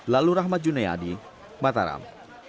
lalu rahmat junaidi mataram